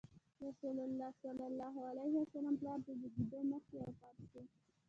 رسول الله ﷺ پلار د زېږېدو مخکې وفات شو.